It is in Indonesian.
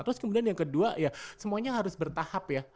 terus kemudian yang kedua ya semuanya harus bertahap ya